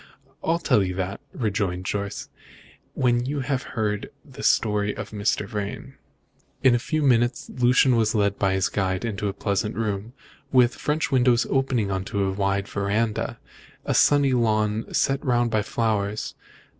"I'll tell you that," rejoined Jorce, "when you have heard the story of Mr. Vrain." In a few minutes Lucian was led by his guide into a pleasant room, with French windows opening on to a wide verandah, and a sunny lawn set round with flowers.